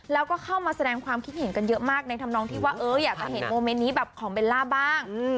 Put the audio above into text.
แล้วก็เข้ามาแสดงความคิดเห็นกันเยอะมากในธรรมนองที่ว่าอยากจะเห็นโมเมนต์นี้แบบของเบลล่าบ้าง